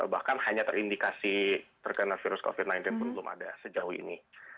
bahkan hanya terindikasi terkena virus covid sembilan belas pun belum ada sejauh ini